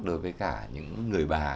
đối với cả những người bà